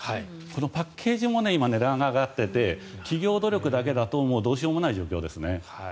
このパッケージも今、値段が上がっていて企業努力だけだとどうしようもない状況ですね。